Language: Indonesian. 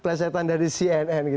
ini berarti ada di fnn